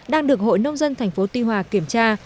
đang được hội nông dân thành phố tuy hòa kiểm tra